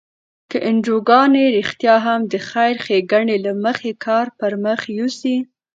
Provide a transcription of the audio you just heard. که انجوګانې رښتیا هم د خیر ښیګڼې له مخې کار پر مخ یوسي.